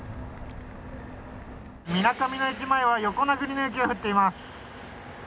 水上の駅前は横殴りの雪が降っています。